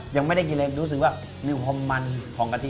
ยังไม่ได้กินเลยรู้สึกว่ามีความมันของกะทิ